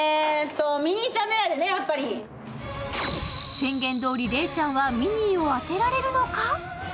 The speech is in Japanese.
宣言どおり、礼ちゃんはミニーを当てられるのか。